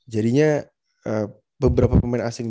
jadinya beberapa pemain asing